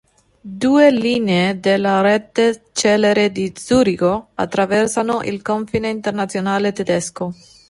Due linee della rete celere di Zurigo attraversano il confine internazionale tedesco.